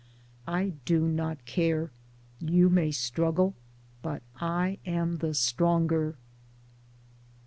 I do not care ; you may struggle ; but I am the stronger.